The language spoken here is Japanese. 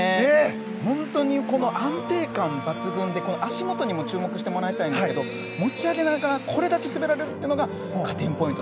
本当に安定感抜群で足元にも注目してもらいたいんですけど持ち上げながらこれだけ滑れるのが加点ポイント。